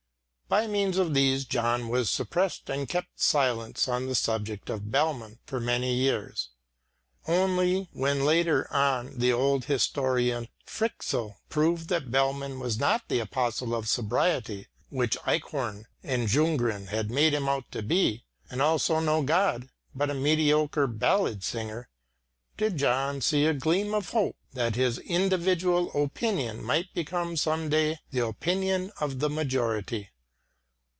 By means of these John was suppressed and kept silence on the subject of Bellmann for many years. Only when later on the old historian Fryxell proved that Bellmann was not the apostle of sobriety which Eichhorn and Ljunggren had made him out to be, and also no god, but a mediocre ballad singer, did John see a gleam of hope that his individual opinion might become some day the opinion of the majority.